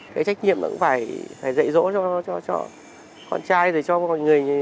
cái trách nhiệm cũng phải dạy dỗ cho con trai cho mọi người